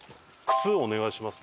「靴お願いします」？